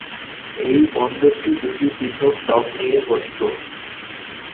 এই বন্দরটি দুটি পৃথক ডক নিয়ে গঠিত।